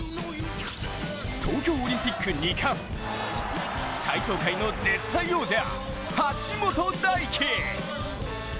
東京オリンピック２冠、体操界の絶対王者・橋本大輝。